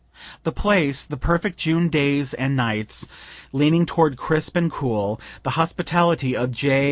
The place, the perfect June days and nights, (leaning toward crisp and cool,) the hospitality of J.